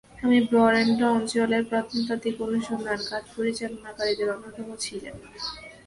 তিনি বরেন্দ্র অঞ্চলের প্রত্নতাত্ত্বিক অনুসন্ধান কাজ পরিচলানকারীদের অন্যতম ছিলেন।